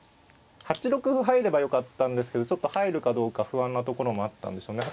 ８六歩入ればよかったんですけどちょっと入るかどうか不安なところもあったんでしょうね。